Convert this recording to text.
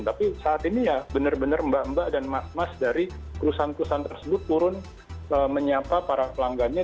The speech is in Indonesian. tapi saat ini ya benar benar mbak mbak dan mas mas dari perusahaan perusahaan tersebut turun menyapa para pelanggannya